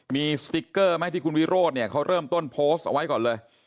มีสติ๊กเกอร์ไหมที่คุณวิโรธเนี่ยเขาเริ่มต้นโพสต์เอาไว้ก่อนเลย